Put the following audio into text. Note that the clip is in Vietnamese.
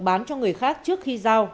bán cho người khác trước khi giao